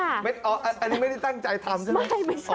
อ๋ออันนึงไม่ได้ตั้งใจทำใช่มะไม่ไม่ใช่